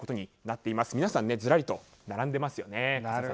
皆さん、ずらりと並んでいますよね。